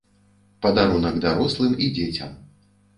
Падарунак дарослым і дзецям.